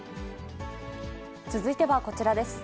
続いてはこちらです。